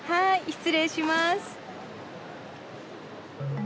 失礼します。